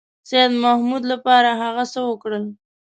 سیدمحمود لپاره هغه څه وکړل.